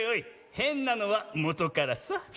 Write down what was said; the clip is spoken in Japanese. へんなのはもとからさ。